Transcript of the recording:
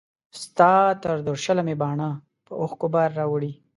ستا تر درشله مي باڼو په اوښکو بار راوړی